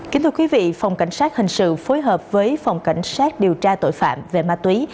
kính thưa quý vị phòng cảnh sát hình sự phối hợp với phòng cảnh sát điều tra tội phạm về ma túy